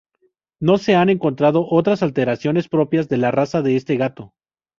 No se han encontrado otras alteraciones propias de la raza de este gato.